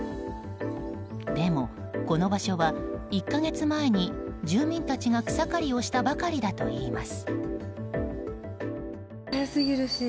でも、この場所は１か月前に住民たちが草刈りをしたばかりだといいます。